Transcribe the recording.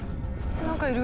何かいる。